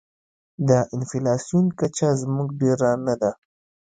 د انفلاسیون کچه زموږ ډېره نه ده.